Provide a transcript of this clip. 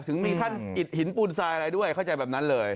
ถึงมีขั้นอิดหินปูนทรายอะไรด้วยเข้าใจแบบนั้นเลย